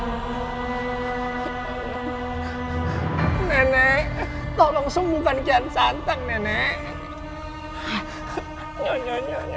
nenek tolong sumukan kian santang nenek